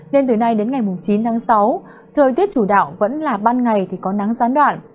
nên từ nay đến ngày chín tháng sáu thời tiết chủ đạo vẫn là ban ngày thì có nắng gián đoạn